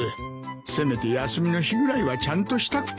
せめて休みの日ぐらいはちゃんとしたくて。